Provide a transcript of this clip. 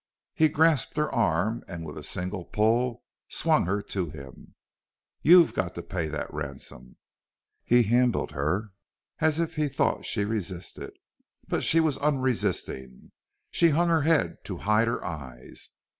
He grasped her arm and with a single pull swung her to him. "YOU'VE got to pay that ransom!" He handled her as if he thought she resisted, but she was unresisting. She hung her head to hide her eyes.